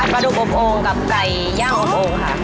ดูอบโอ่งกับไก่ย่างอบโอ่งค่ะ